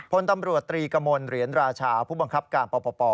พลตำรวจตรีกมลเหรียญราชาผู้บังคับการปป